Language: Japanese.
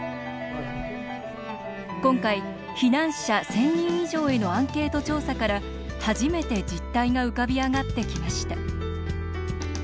今回、避難者１０００人以上へのアンケート調査から、初めて実態が浮かび上がってきました。